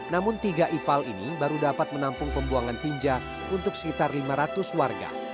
namun tiga ipal ini baru dapat menampung pembuangan tinja untuk sekitar lima ratus warga